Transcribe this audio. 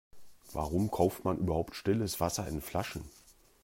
Warum kauft man überhaupt stilles Wasser in Flaschen?